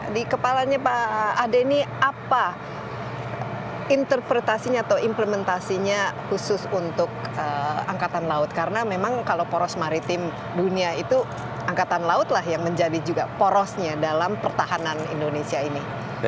di kepalanya pak adeni apa interpretasinya atau implementasinya khusus untuk angkatan laut karena memang kalau poros maritim dunia itu angkatan laut lah yang menjadi juga porosnya dalam pertahanan indonesia ini